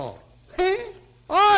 へっ。おい！」。